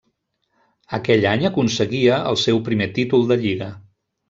Aquell any aconseguia el seu primer títol de Lliga.